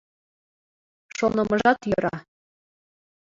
Шонымыжат йӧра.